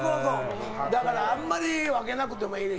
だからあんまり分けなくてもいい。